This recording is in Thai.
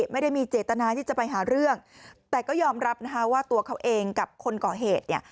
ไม่ได้มีเจตนาที่จะไปหาเรื่องแต่ก็ยอมรับนะคะว่าตัวเขาเองกับคนก่อเหตุเนี่ย